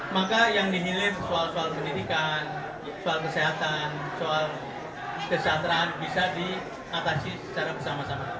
maka yang dinilai soal soal pendidikan soal kesehatan soal kesejahteraan bisa diatasi secara bersama sama